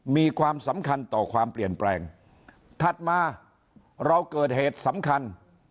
มีความสำคัญต่อความเปลี่ยนแปลงถัดมาเราเกิดเหตุสำคัญ